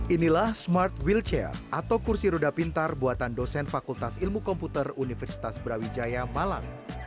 inilah smart wheel chair atau kursi roda pintar buatan dosen fakultas ilmu komputer universitas brawijaya malang